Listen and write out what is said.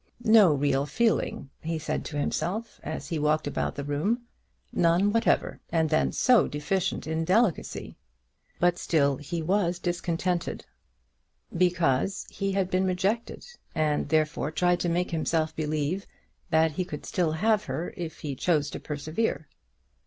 "No real feeling," he said to himself, as he walked about the room, "none whatever; and then so deficient in delicacy!" But still he was discontented, because he had been rejected, and therefore tried to make himself believe that he could still have her if he chose to persevere.